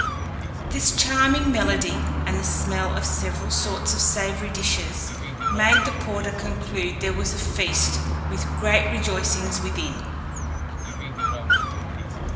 This charming melody, and the smell of several sorts of savoury dishes, made the porter conclude there was a feast, with great rejoicings within.